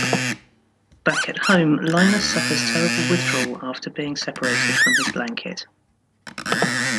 Back at home, Linus suffers terrible withdrawal after being separated from his blanket.